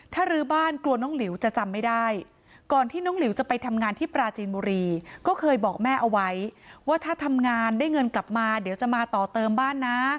ถ้ารื้อบ้านกลัวน้องหลิวจะจำไม่ได้ก่อนที่น้องหลิวจะไปทำงานที่ปราจีนบุรีก็เคยบอกแม่เอาไว้ว่าถ้าทำงานได้เงินกลับมาเดี๋ยวจะมาต่อเติมบ้านนะ